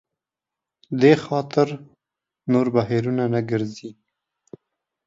دې خاطر نور بهیرونه نه ګرځي.